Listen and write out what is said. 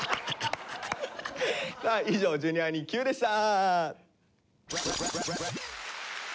さあ以上「Ｊｒ．にＱ」でした。